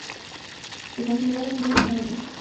Se consideran bienes muebles.